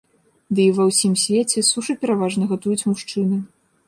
Ды і ва ўсім свеце сушы пераважна гатуюць мужчыны.